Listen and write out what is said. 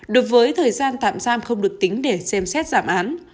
đối với thời gian tạm giam không được tính để xem xét giảm án